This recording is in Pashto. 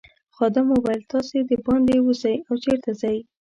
خادم وویل تاسي دباندې وزئ او چیرته ځئ.